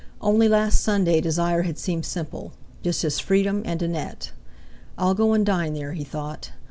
Only last Sunday desire had seemed simple—just his freedom and Annette. "I'll go and dine there," he thought.